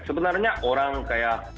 sebenarnya orang kaya